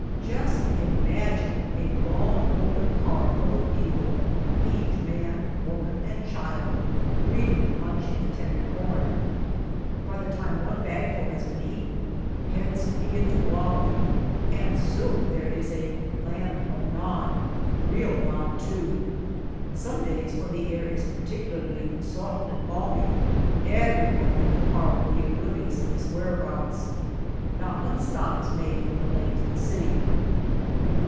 Just imagine a long open car full of people, each man, woman, and child greedily munching the tender corn! By the time one bag full has been eaten, heads begin to wobble, and soon there is a "Land of Nod" real nod, too. Some days, when the air is particularly soft and balmy, everyone in the car will be oblivious of his whereabouts. Not one stop is made from the lake to the city.